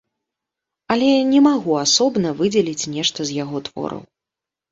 Але не магу асобна выдзеліць нешта з яго твораў.